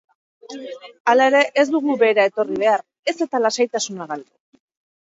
Hala ere, ez dugu behera etorri behar, ez eta lasaitasuna galdu.